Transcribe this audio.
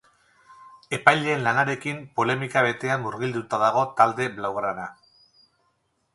Epaileen lanarekin polemika betean murgilduta dago talde blaugrana.